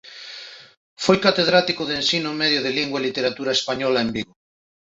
Foi catedrático de ensino medio de Lingua e Literatura española en Vigo.